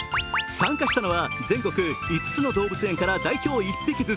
参加したのは全国５つの動物園から代表１匹ずつ。